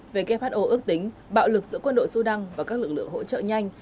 về kế phát ô ước tính bạo lực giữa quân đội sudan và các lực lượng hỗ trợ nhanh